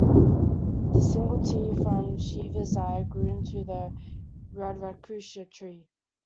This single tear from Shiva's eye grew into the rudraksha tree.